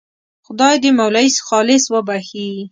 خدای دې مولوي خالص وبخښي.